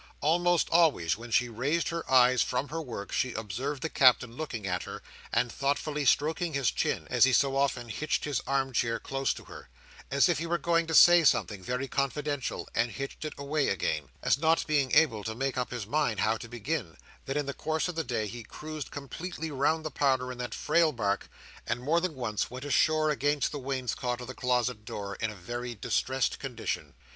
Almost always when she raised her eyes from her work, she observed the captain looking at her, and thoughtfully stroking his chin; and he so often hitched his arm chair close to her, as if he were going to say something very confidential, and hitched it away again, as not being able to make up his mind how to begin, that in the course of the day he cruised completely round the parlour in that frail bark, and more than once went ashore against the wainscot or the closet door, in a very distressed condition.